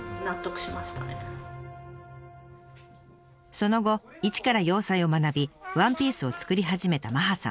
その後一から洋裁を学びワンピースを作り始めた麻葉さん。